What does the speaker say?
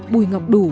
bùi ngọc đủ